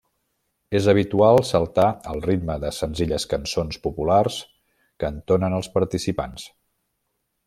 És habitual saltar al ritme de senzilles cançons populars que entonen els participants.